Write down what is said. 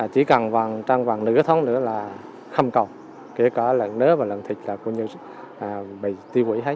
chỉ cần vòng trăng vòng nửa tháng nữa là khâm cầu kể cả lợn nớ và lợn thịt là cũng như bị tiêu hủy hết